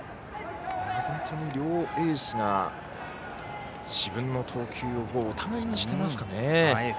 本当に両エースが自分の投球をお互いにしていますかね。